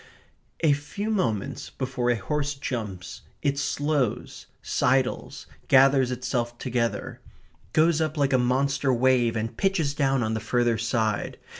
A few moments before a horse jumps it slows, sidles, gathers itself together, goes up like a monster wave, and pitches down on the further side.